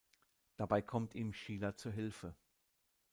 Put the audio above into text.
Dabei kommt ihm Sheela zur Hilfe.